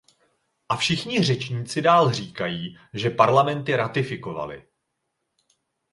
A všichni řečníci dál říkají, že parlamenty ratifikovaly.